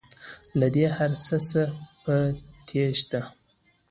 له دې هرڅه زه په تیښته